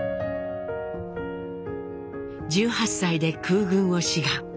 １８歳で空軍を志願。